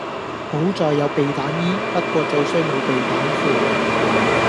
好在有避彈衣，不過最衰冇避彈褲